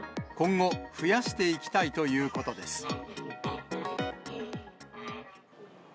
今後、増やしていきたいということです。